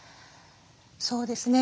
そうですね。